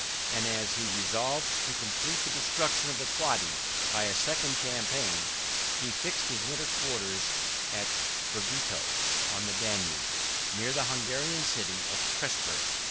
As he had resolved to complete the destruction of the Quadi by a second campaign, he fixed his winter quarters at Bregetio, on the Danube, near the Hungarian city of Presburg.